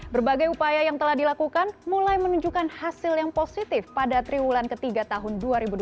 berbagai upaya yang telah dilakukan mulai menunjukkan hasil yang positif pada triwulan ketiga tahun dua ribu dua puluh